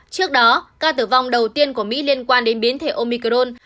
trước đó ca tử vong đầu tiên của mỹ liên quan đến biến thể omicron